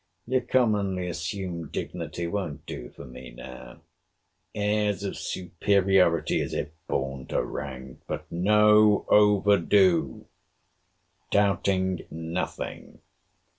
Your commonly assumed dignity won't do for me now. Airs of superiority, as if born to rank.—But no over do!—Doubting nothing.